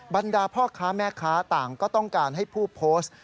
บรรดาพ่อค้าแม่ค้าต่างก็ต้องการให้ผู้โพสต์